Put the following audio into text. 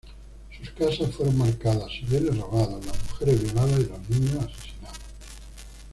Sus casas fueron marcadas, sus bienes robados, las mujeres violadas y los niños asesinados.